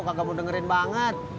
kagak mau dengerin banget